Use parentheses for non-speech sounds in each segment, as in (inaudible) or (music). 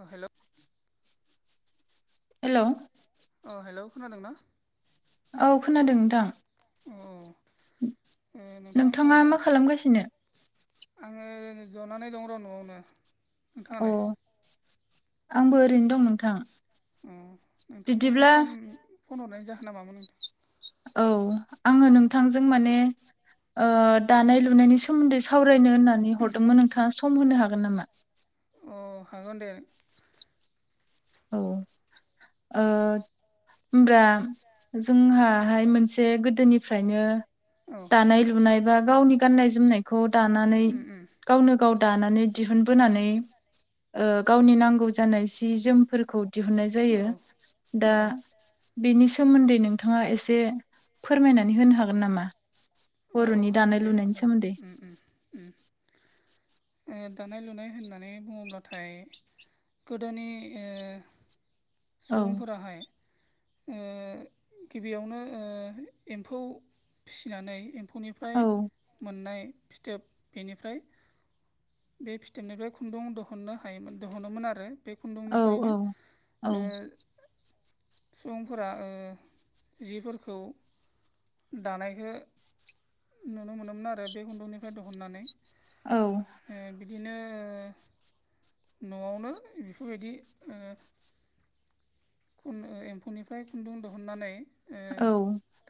अ hello hello. अ hello खोनादों ना? औ खोनादों औ औ नोंथां। ओ नोंथां ओ नोंथाङा मा खालामगासिनो? आङो जनानै दं र' न'आवनो। अ नोंथाङालाय आंबो ओरैनो दं नोंथां। अ नोंथांनि बिदिब्ला फन फन हरनाय जाहोन नामामोन नोंथां। औ आङो नोंथांजों माने दानाय लुनायनि सोमोन्दै सावरायनो होननानै हरदोंमोन। नोंथाङा सम होनो हागोन नामा? अ हागोन दे। औ ओ होमबा जोंहाहाय मोनसे गोदोनिफ्रायनो औ। दानाय-लुनाय बा गावनि गाननाय-जोमनायखौ दानानै उम उम गावनो गाव दानानै दिहुनबोनानै गावनि नांगौ जानाय सि-जोम फोरखौ दिहुननाय औ जायो। औ दा बेनि सोमोन्दै नोंथाङा एसे फोरमायनानै होनो हागोन नामा? बर'नि दानाय लुनायनि सोमोन्दै ओ। दानाय-लुनाय होननानै बुङोब्लाथाय गोदोनि औ सुबुंफोराहाय गिबियावनो एम्फौ फिसिनानै औ एम्फौनिफ्राय मोननाय फिथोब। बेनिफ्राय बे फिथोबनिफ्राय खुन्दुं दिहुननो हायोमोन दिहुनोमोन आरो बे औ औ खुन्दुंनिफ्रायनो औ सुबुंफोरा जिफोरखौ दानायखो नुनो मोनोमोन आरो। बे खुन्दुंनिफ्राय दिहुननानै औ। बिदिनो न'आवनो बेफोरबायदि एम्फौनिफ्राय खुन्दुं दिहुननानै ओ औ।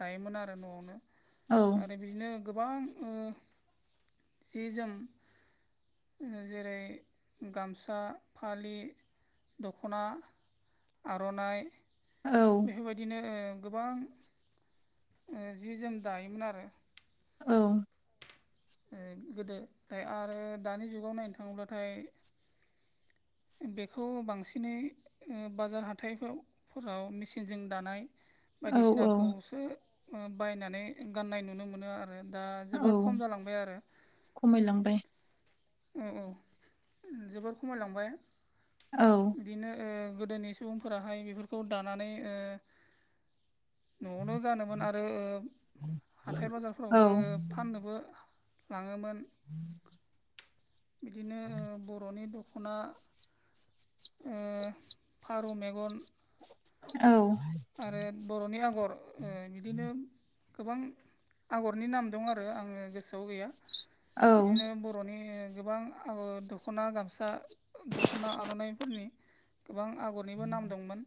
दायोमोन आरो न'आवनो औ। आरो बिदिनो गोबां जि-जोम जेरै- गामसा, फालि, दख'ना, आर'नाइ, औ बेफोरबायदिनो गोबां जि जोम दायोमोन आरो औ गोदो दाय आरो दानि जुगाव नायनो थाङोब्लाथाय बेखौ बांसिनै ओ बाजार हाथाइफोराव मेचिनजों दानाय औ औ बायदिसिनाखौसो बायनानै गाननाय नुनो मोनो आरो। आरो दा औ जोबोर खम जालांबाय आरो। खमायलांबाय औ औ जोबोर खमायलांबाय औ। बिदिनो गोदोनि सुबुंफोराहाय बेफोरखौ दानानै न'आवनो गानोमोन आरो हाथाय औ बाजारफोरावबो फाननोबो लाङोमोन। ह बिदिनो बर'नि दख दख'ना, फारौ मेगन, औ आरो बर'नि आगर ओ बिदिनो गोबां आगरनि नाम दं आरो आङो गोसोआव गैया औ बिदिनो ब बर'नि गोबां आगर दख'ना गामसा दख'ना आर'नाइफोरनि गोबां आगरनिबो नाम दंमोन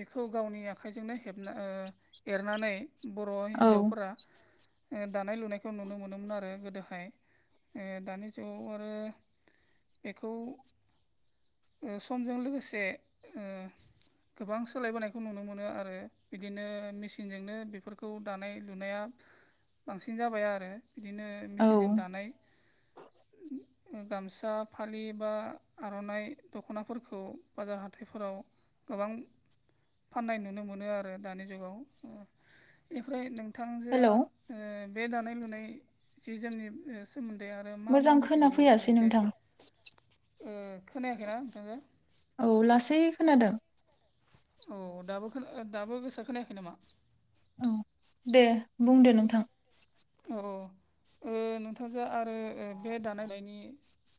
बेख खौ गावनि आखाइजोंनो हेबना ओ एरनानै बर' औ हिन्जावफोरा ओ दानाय लुनायखौ नुनो मोनोमोन आरो गोदोहाय ओ दानि जुगाव आरो बेखौ ओ समजों लोगोसे ओ गोबां सो सोलायबोनायखौ नुनो मोनो आरो। बिदिनो मेसिनजोंनो बेफोरखौ दानाय लुनाया बांसिन जाबाय आरो इदिनो मेचिनजों औ दानाय ओ गामसा फालि बा आर'नाइ दख'नाफोरखौ बाजार हाथाइफोराव गोबां फाननाय नुनो मोनो आरो दानि जुगाव। ओ इनिफ्राय नोंथांजोआ हेलौ ओ बे दानाय लुनाय जि जोंमनि ओ सा सोमोन्दै आरो मा मा मोजां मिथिबावगौ खोनाफैयासै एसे नोंथां ओ खोनायाखैना नोंथांजो औ लासै खोनादों औ दाबो खोना ओ दाबो गोसा खोनायाखै नामा? औ दे बुंदो नोंथां। औ ओ नोंथांजो आरो बे दानाय लुनायनि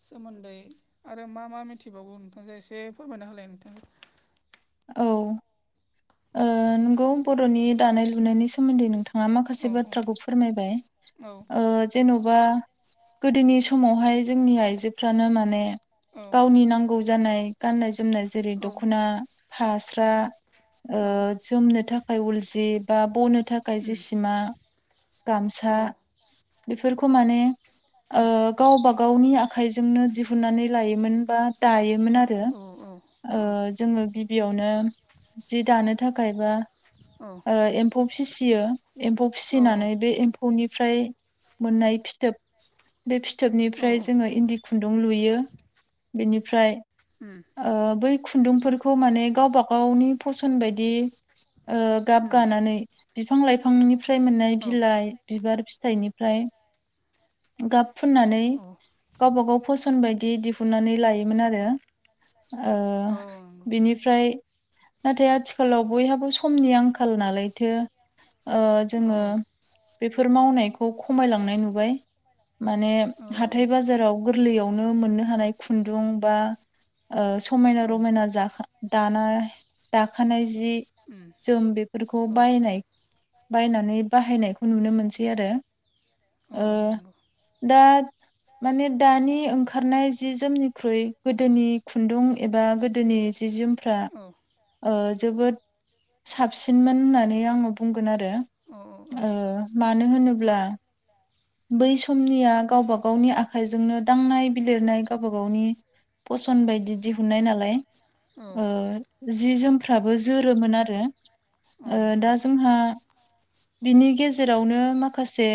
सोमोन्दै आरो मा मा मिथिबावगौ नोंथांजोआ एसे फोरमायना होलाय नोंथां? औ ओ नंगौ बर'नि दानाय लुनायनि सोमोन्दै नोंथां आ औ माखासे बाथ्राखौ फोरमायबाय औ ओ जेनबा गोदोनि समावहाय जोंनि आइजोफ्रानो माने औ गावनि नांगौ जानाय गाननाय जोमनाय जेरै दखना फास्रा ओ औ जोमनो थाखाय उल जि बा बनो थाखाय उम जेसिमा औ गामसा बेफोरखौ माने ओ गावबा गावनि आखाइजोंनो दिहुन्नानै लायोमोन बा दायोमोन आरो औ ओ जोङो गिब जि दानो थाखाय बा औ ओ एम्फौ फिसियो एम्फौ औ फिसिनानै बे एम्फौ फौनिफ्राय मोननाय फिथोब बे औ फिथोबनिफ्राय जोङो इन्दि खुन्दुं लुयो। बेनिफ्राय ओम ओ बै खुन्दुंफोरखौ माने गावबा गावनि फसन बायदि ओ गाब उम गानानै बिफां लाइफांनिफ्राय मोननाय औ बिलाइ बिबार फिथाइनिफ्राय गाब फुननानै औ गावबागाव फसन बायदि दिहुननानै लायोमोन आरो ओ औ नंगौ बेनिफ्राय नाथाय आथिखालाव बयहाबो समनि आंखाल नालायथो ओ औ जोङो बेफोर मावनायखौ खमायलांनाय नुबाय। माने औ हाथाय बाजाराव गोरलैयावनो मोननो हानाय खुन्दुं बा ओ समायना औ रमायना जाखा दानाय दाखानाय जि उम जोम बेफोरखौ औ बायनाय बायनानै बाहायनायखौ नुनो मोनसै आरो औ ओ नंगौ दा माने दानि ओंखारनाय जि जोमनिख्रुइ गोदोनि खुन्दुं एबा गोदोनि जि जोमफ्रा औ ओ जोबोद साबसिनमोन होननानै आङो बुंगोन आरो। औ ओ मानो होनोब्ला बै समनिया गावबा गावनि आखाइजोंनो दांनाय बिलिरनाय गावबा गावनि फसन्द बायदि दिहुननाय नालाय औ ओ जि जोमफ्राबो जोरोमोन आरो औ नंगौ दा जोंहा बिनि गेजेरावनो माखासे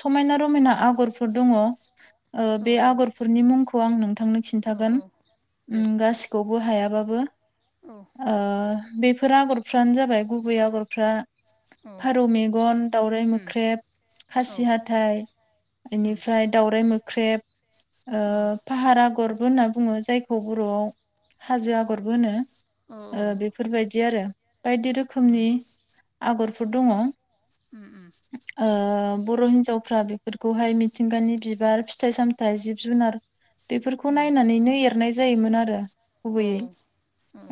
समायना रमायना आगरफोर दङ ओ औ बे आगरफोरनि मुंखौ आं नोंथांनो औ खिन्थागोन औ दे गासै गखौबो हायाबाबो औ ओ बेफोर आगरफ्रानो जाबाय गुबै आगरफ्रा फारौ मेगन दाउराइ मेगन उम मोख्रेब औ उम खासि हाथाइ बेनिफ्राय दाउराइ मोख्रेब ओ औ फाहार आगरबो होनना बुङो जायखौ बर'आव हाजो आगरबो होनो। औ ओ नंगौ बेफोरबायदि आरो बायदि उम रोखोमनि आगरफोर दङ। उम (inaudible) ओ बर' हिन्जावफ्रा बेफोरखौहाय मिथिंगानि बिबार फिथाइ सामथाइ जिब जुनार बेफोरखौ उम उम नायनानैनो एरनाय जायोमोन आरो औ गुबैयै।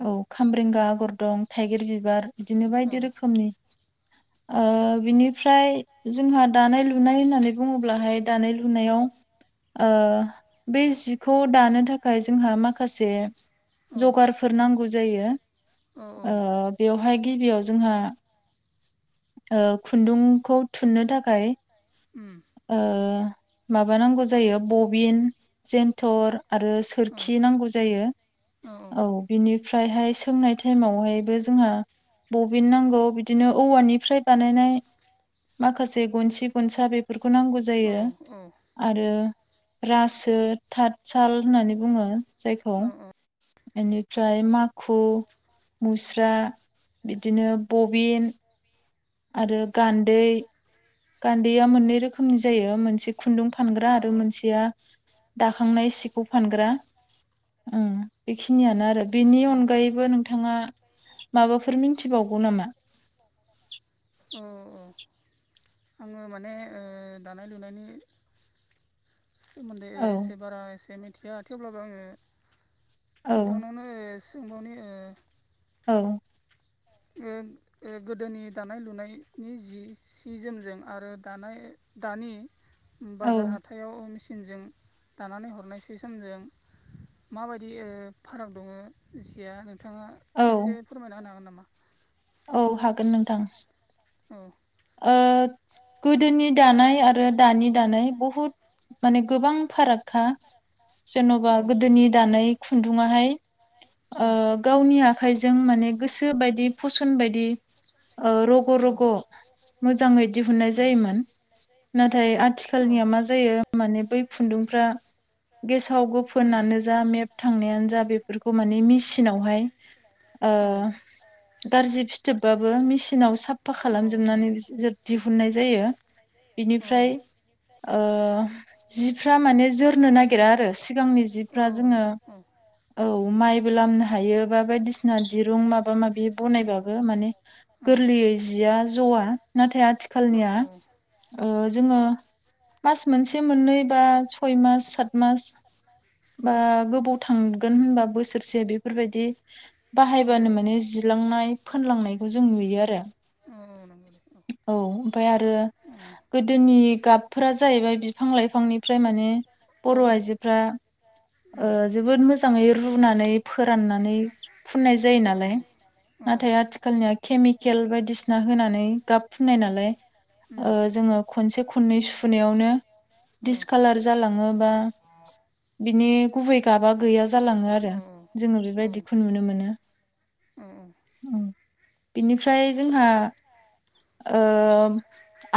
औ खामब्रेंगा आगर दं थाइगिर बिबार बिदिनो बायदि रोखोमनि। ओ बिनिफ्राय जोंहा दानाय लुनाय होननानै बुङोब्लाहाय दानाय लुनायाव ओ बे जिखौ दानो थाखाय जोंहा माखासे औ उम औ औ औ जगारफोर नांगौ जायो ओ बेवहाय गिबियाव जोंहा ओ खुन्दुंखौ थुननो थाखाय उम। ओ माबा नांगौ जायो बबिन जेन्थर आरो सोरखि नांगौ जायो। औ बिनिफ्रायहाय सोंनाय टाइमावहायबो जोंहा बबिन नांगौ बिदिनो औवानिफ्राय बानायनाय माखासे गनसि गनसा बेफोरखौ नांगौ औ जायो। औ आरो रासो थाथसााल होननानै बुङो जायखौ औ बेनिफ्राय माखु मुस्रा बिदिनो बबिन आरो गान्दै गान्दैया मोननै रोखोमनि जायो मोनसे खुन्दुं फानग्रा आरो मोनसेया दाखांनाय सिखौ फानग्रा ओम बेखिनियानो आरो बेनि औ अनगायैबो नोंथाङा माबाफोर मिन्थिबावगौ नामा? औ औ। आङो माने ओ दानाय लुनायनि सोमोन्दै औ एसे बारा एसे मिथिया थेवब्लाबो आङो औ नोंथांनावनो (unintelligible) ओ औ ओं एह गोदोनि दानाय लुनायनि जि सि जोमजों आरो दानाय दानि औ बाजार हाथायाव मेचिनजों दानानै हरनाय सि जोमजों माबायदि फाराग दङ जिया होन बिथाङा औ एसे फोरमायना होनो हागोन नामा? औ हागोन नोंथां। अ। ओ गोदोनि दानाय आरो दानि दानाय बहुद माने गोबां फारागखा जेन'बा औ गोदोनि दानाय खुन्दुङाहाय औ ओ गावनि आखाइजों माने गोसो बायदि फसन बायदि ओ रग' रग' मोजाङै दिहुननाय जायोमोन। नाथाय आथिखालनिया मा जायो माने बै खुन्दुंफ्रा गेसाव गोफोनानो जा मेप थांनायानो जा बेफोरखौ माने मेसिनावहाय ओ औ गारजि फिथोबबाबो मिसिनाव साफा खालामजो जोबनानै बिदिनो दिहुननाय जायो। बिनिफ्राय औ ओ जिफ्रा माने जोरनो नागिरा आरो सिगांनि जिफ्रा जोङो औ माइबो लामनो हायो बा बायदिसिना दिरुं माबा माबि बनायबाबो माने आथिखालनिया गोरलैयै जिया ज'आ नाथाय आथिखालनिया बाहायबानो ओ जोङो मास मोनसे मोननै बा सय मास सात मास बा गोबाव थांगोन होनबा बोसोरसे बेफोरबायदि बाहायबानो माने जिलांनाय फोनलांनायखौ जों नुयो आरो। औ औ नंगौ औ ओमफ्राय आरो गोदोनि गाबफोरा जाहैबाय बिफां लाइफांनिफ्राय माने बर' माने आइजोफ्रा ओ जोबोद मोजाङै रुनानै फोराननानै फुननाय जायो नालाय नाथाय आथिखालनिया केमिकेल बायदिसिना होनानै गाब फुननाय नालाय बिनि ओ जोङो खनसे खननै सुनायावनो गुबै दिसकालार जालाङो बा बिनि गुबै गाबा गैया जालाङो आरो। जोङो बेबायदिखौ नुनो मोनो औ औ बिनिफ्राय जोंहा ओ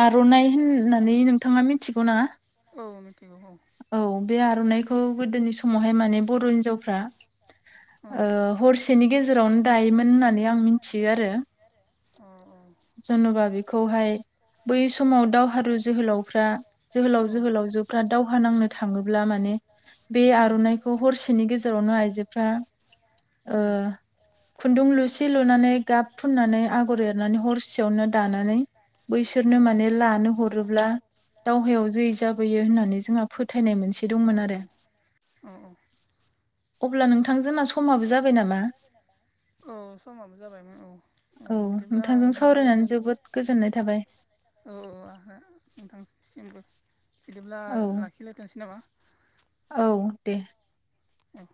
आर'नाइ होननानै नोंथाङा मिथिगौ ना? औ मिथिगौ औ औ बे आर'नाइखौ गोदोनि समावहाय माने बर' हिनजावफ्रा ओ जोहोलावजोफ्रा हरसेनि गेजेरावनो दायोमोन होननानै आं मिथियो आरो। औ औ जेन'बा बेखौहाय बै समाव दावहारु जोहोलावफ्रा जोहोलाव जोहोलावजोफ्रा दावहा नांनो थाङोब्ला माने बे माने आर'नाइखौ हरसेनि गेजेरावनो आइजोफ्रा ओ बिसोरनो खुन्दुं लुसे लुनानै गाब फुननानै आगर एरनानै हर सेयावनो दानानै बैसोरनो माने लानो हरोब्ला दावहायाव जै जाबोयो होननानै जोंहा फोथायनाय मोनसे दंमोन आरो औ-औ अब्ला नोंथांजोंना समाबो जाबाय नामा? औ समाबो जाबायमोन औ औ बिदिब्ला नोंथांजों नोंथांजो सावरायनानै जोबोद गोजोननाय थाबाय। औ-औ आ नोंथांसिमबो बिदिब्ला औ लाखिलायथोंसै नामा? औ दे औ